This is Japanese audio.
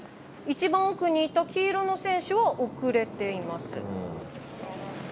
一番奥にいた黄色の選手は遅れています。